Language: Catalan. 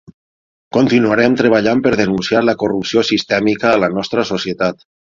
Continuarem treballant per denunciar la corrupció sistèmica a la nostra societat.